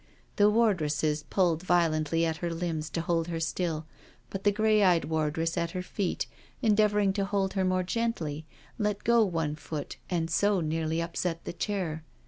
The wardresses pulled violently at her limbs to hold her still. But the grey eyed wardress at her feet, en deavouring to hold her more gently, let go one foot and so nearly upset the chair.